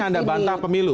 anda bantah pemilu